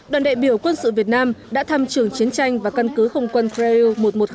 đoàn đại biểu quân sự việt nam đã thăm trường chiến tranh và căn cứ không quân freeo một trăm một mươi năm